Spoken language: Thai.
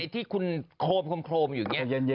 ที่คุณโครมอยู่อย่างนี้